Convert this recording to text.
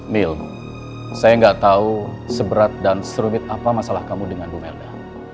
mil saya nggak tahu seberat dan serumit apa masalah kamu dengan bu melda